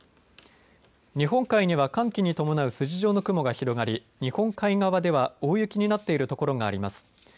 日本海には寒気に伴う筋状の雲が広がり日本海側では大雪になっているところがあります。